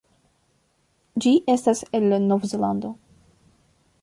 Ĝi estas el Novzelando.